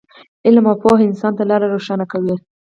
علم او پوهه انسان ته لاره روښانه کوي.